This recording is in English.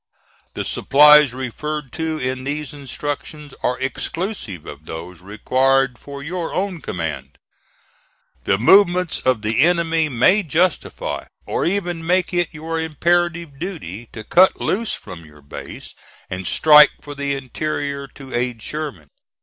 "The supplies referred to in these instructions are exclusive of those required for your own command. "The movements of the enemy may justify, or even make it your imperative duty, to cut loose from your base, and strike for the interior to aid Sherman.